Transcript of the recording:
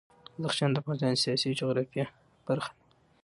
بدخشان د افغانستان د سیاسي جغرافیه برخه ده.